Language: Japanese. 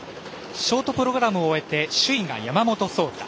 ショートプログラムを終えて首位が山本草太。